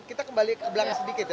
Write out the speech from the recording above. kita kembali ke belakang sedikit ya